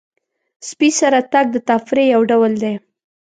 سپي سره تګ د تفریح یو ډول دی.